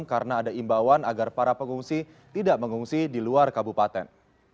karena ada imbauan agar para pengungsi tidak mengungsi di luar kabupaten